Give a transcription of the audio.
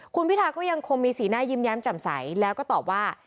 คุณพิทาก็ยังคงมีสีหน้ายิ้มแย้มจำใสแล้วก็ตอบว่า